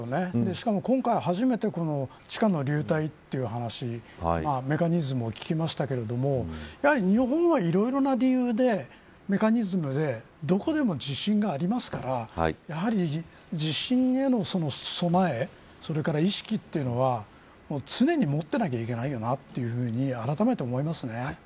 しかも今回、初めて地下の流体という話メカニズムを聞きましたけどもやはり日本は、いろいろな理由でメカニズムでどこでも地震がありますからやはり地震への備えそれから、意識というのは常に持ってなきゃいけないよなというふうにあらためて思いますね。